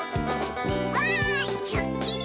「わーいすーっきり」